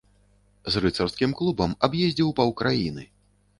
З рыцарскім клубам аб'ездзіў паўкраіны.